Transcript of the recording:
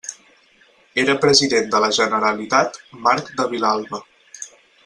Era President de la Generalitat Marc de Vilalba.